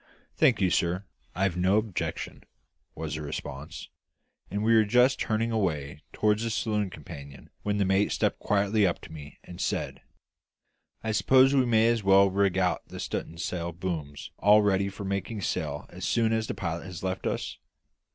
"Thank you, sir; I've no objection," was the response; and we were just turning away toward the saloon companion when the mate stepped quietly up to me and said "I suppose we may as well rig out the stu'n'sail booms all ready for making sail as soon as the pilot has left us?